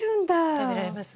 食べられます。